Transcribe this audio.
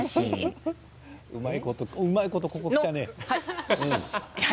うまいこと、ここにきたね。